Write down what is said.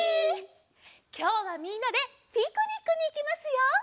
きょうはみんなでピクニックにいきますよ！